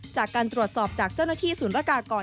จากการตรวจสอบจากเจ้าหน้าที่ศูนย์รกากร